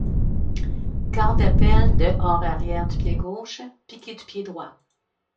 Carre d'appel dehors arrière du pied gauche, piqué du pied droit.